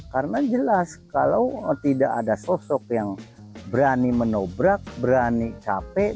karena jelas kalau tidak ada sosok yang berani menobrak berani capek